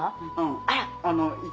あら。